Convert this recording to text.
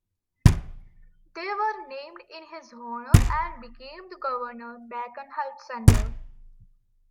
They were named in his honor and became the Governor Bacon Health Center.